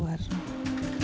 saya tidak mau